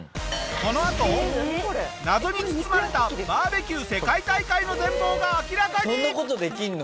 このあと謎に包まれたバーベキュー世界大会の全貌が明らかに！